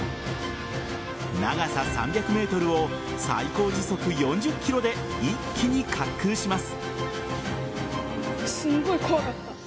長さ３００ｍを最高時速４０キロで一気に滑空します。